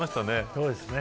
そうですね。